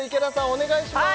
お願いします